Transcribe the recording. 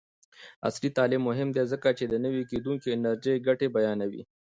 عصري تعلیم مهم دی ځکه چې د نوي کیدونکي انرژۍ ګټې بیانوي.